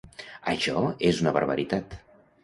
Això és una barbaritat.